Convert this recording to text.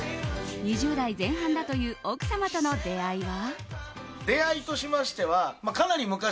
２０代前半だという奥様との出会いは。